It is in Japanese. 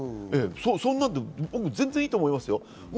そんなんで全然いいと思いますよ。